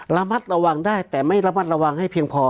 ระมัดระวังได้แต่ไม่ระมัดระวังให้เพียงพอ